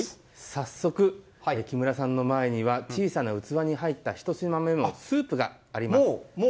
早速、木村さんの前には小さな器に入った１品目のスープがあります。